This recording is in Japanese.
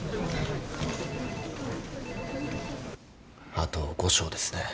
あと５床ですね。